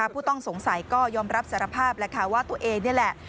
ผู้ต้องสงสัยก็ยอมรับสารภาพแหละค่ะว่าตัวเองนี่แหละ